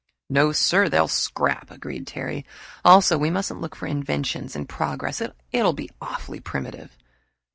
"No, sir they'll scrap," agreed Terry. "Also we mustn't look for inventions and progress; it'll be awfully primitive."